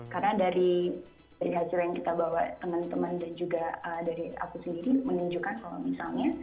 karena dari hasil yang kita bawa teman teman dan juga dari aku sendiri menunjukkan kalau misalnya